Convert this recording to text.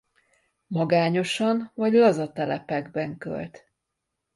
Magányosan vagy laza telepekben költ.